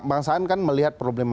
bang saan kan melihat